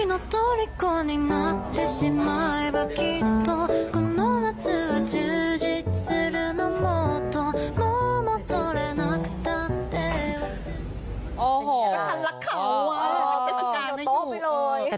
โอ้โหพระชาติรักเขาอาการไม่อยู่